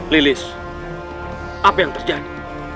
lilis apa yang terjadi